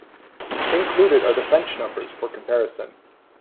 Included are the French numbers for comparison.